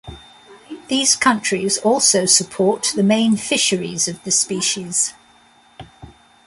These countries also support the main fisheries of the species.